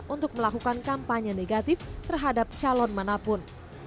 untuk melakukan kampanye negatif terhadap calon manapun